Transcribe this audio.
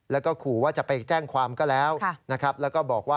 แล้วก็ขู่ว่าจะไปแจ้งความก็แล้ว